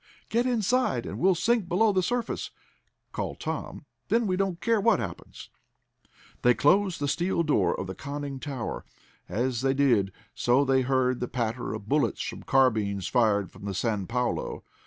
"Get inside and we'll sink below the surface!" called Tom. "Then we don't care what happens." They closed the steel door of the conning tower. As they did so they heard the patter of bullets from carbines fired from the San Paulo.